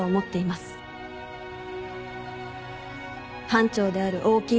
班長である大木